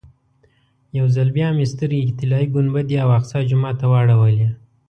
یو ځل بیا مې سترګې طلایي ګنبدې او اقصی جومات ته واړولې.